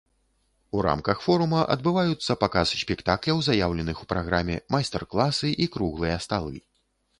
У рамках форума адбываюцца паказ спектакляў, заяўленых у праграме, майстар-класы і круглыя сталы.